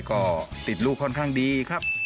ก็ติดลูกค่อนข้างดีครับ